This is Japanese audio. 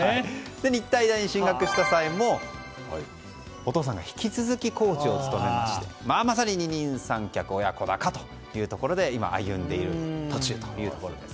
日体大に進学した際もお父さんが引き続きコーチを務めてまさに二人三脚親子鷹というところで歩んでいる途中というところです。